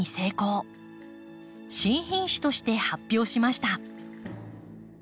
新品種として発表しました。